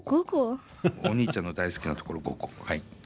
お兄ちゃんの大好きなところ５個はい。